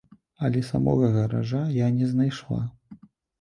Але самога гаража я не знайшла.